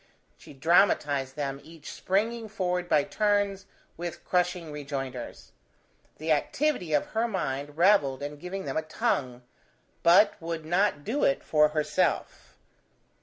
She dramatized them each springing forward by turns, with crushing rejoinders. The activity of her mind revelled in giving them a tongue, but would not do it for herself.